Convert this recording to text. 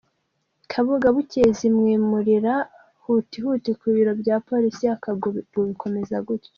Kabuga, bukeye zimwimuira huti huti kuri biro bya polisi ya Kagugu, bikomeza gutyo